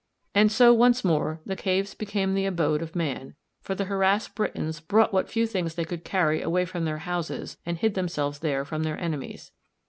] And so once more the caves became the abode of man, for the harassed Britons brought what few things they could carry away from their houses and hid themselves there from their enemies.